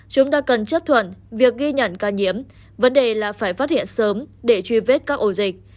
chúng ta cần chấp thuận việc ghi nhận ca nhiễm vấn đề là phải phát hiện sớm để truy vết các ổ dịch